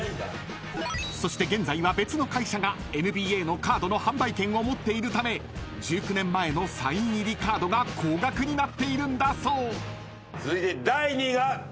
［そして現在は別の会社がＮＢＡのカードの販売権を持っているため１９年前のサイン入りカードが高額になっているんだそう］